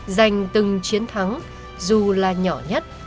dành từng chiến thắng dù là nhỏ nhất